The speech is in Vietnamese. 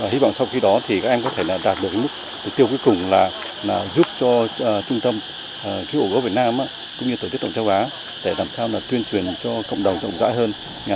hy vọng sau khi đó thì các em có thể đạt được mục tiêu cuối cùng là giúp cho trung tâm cứu hộ gỗ việt nam cũng như tổ chức đoàn châu á để làm sao tuyên truyền cho cộng đồng rộng rãi hơn